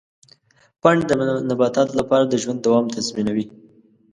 پاڼې د نباتاتو لپاره د ژوند دوام تضمینوي.